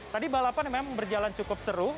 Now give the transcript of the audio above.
tadi balapan memang berjalan cukup seru